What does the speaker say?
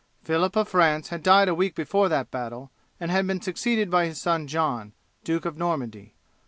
Phillip of France had died a week before that battle, and had been succeeded by his son John, Duke of Normandy.